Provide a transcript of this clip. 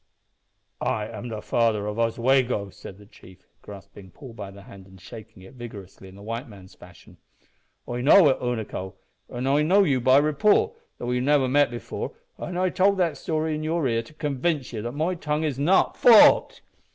"I am the father of Oswego," said the chief, grasping Paul by the hand and shaking it vigorously in the white man's fashion. "I know it, Unaco, and I know you by report, though we've never met before, and I told that story in your ear to convince ye that my tongue is not `forked.'"